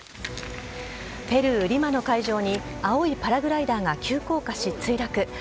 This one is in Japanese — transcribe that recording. ペルー・リマの海上に青いパラグライダーが急降下し墜落。